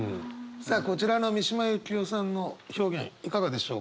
さあこちらの三島由紀夫さんの表現いかがでしょうか？